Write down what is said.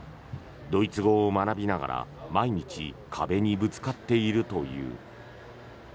ドイツ語を学びながら、毎日壁にぶつかっているという。